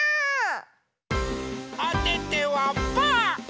おててはパー！